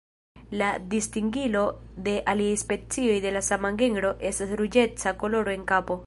La distingilo de aliaj specioj de la sama genro estas ruĝeca koloro en kapo.